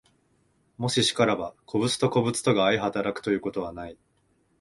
もし然らば、個物と個物とが相働くということはない。